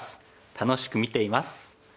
楽しく見ています。